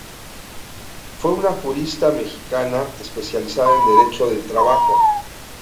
Fue una jurista mexicana, especializada en derecho del trabajo.